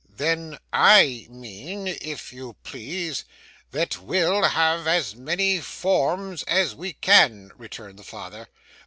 'Then I mean, if you please, that we'll have as many forms as we can, returned the father.